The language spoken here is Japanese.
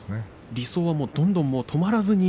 理想はどんどん止まらずに？